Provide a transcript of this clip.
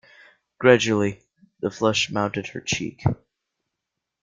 Gradually the flush mounted her cheek.